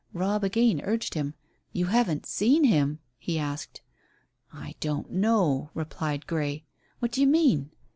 Robb again urged him. "You haven't seen him?" he asked. "I don't know," replied Grey. "What do you mean?"